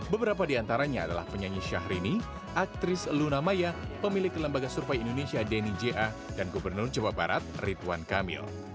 beberapa di antaranya adalah penyanyi syahrini aktris lunamaya pemilik lembaga survei indonesia denny ja dan gubernur jawa barat rituan kamil